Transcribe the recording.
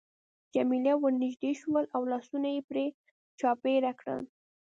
جميله ورنژدې شول او لاسونه يې پرې را چاپېره کړل.